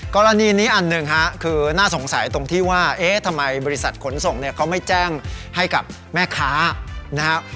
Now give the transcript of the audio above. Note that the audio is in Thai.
กรณีนี้อันหนึ่งฮะคือน่าสงสัยตรงที่ว่าเอ๊ะทำไมบริษัทขนส่งเนี่ยเขาไม่แจ้งให้กับแม่ค้านะครับ